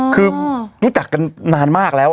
คือรู้จักกันนานมากแล้ว